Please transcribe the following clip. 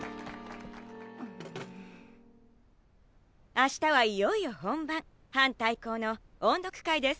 明日はいよいよ本番班対抗の音読会です。